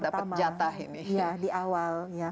pertama di awal